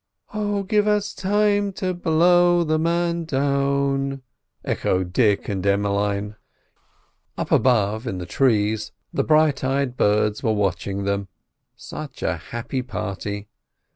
"Oh, give us time to blow the man down!" echoed Dick and Emmeline. Up above, in the trees, the bright eyed birds were watching them—such a happy party.